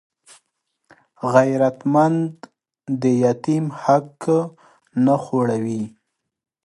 غیرتمند د یتیم حق نه خوړوي